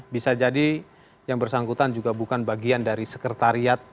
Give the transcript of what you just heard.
bisa jadi yang bersangkutan juga bukan bagian dari sekretariat